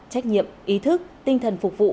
trách nhiệm ý thức tinh thần phục vụ